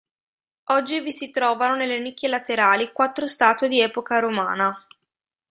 Oggi vi si trovano nelle nicchie laterali quattro statue di epoca romana.